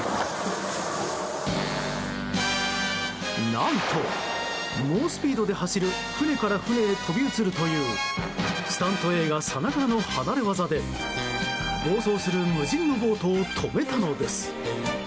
何と、猛スピードで走る船から船へ飛び移るというスタント映画さながらの離れ業で暴走する無人のボートを止めたのです。